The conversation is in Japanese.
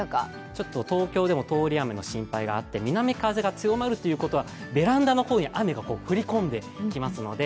ちょっと東京でも通り雨の心配があって、南風が強まるということはベランダの方に雨が降り込んできますので、